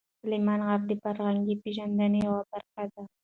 سلیمان غر د فرهنګي پیژندنې یوه برخه ده.